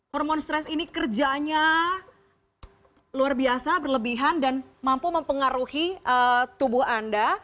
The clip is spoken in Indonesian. hormon stres ini kerjanya luar biasa berlebihan dan mampu mempengaruhi tubuh anda